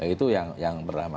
itu yang pertama